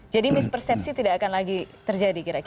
jadi mispersepsi tidak akan lagi terjadi kira kira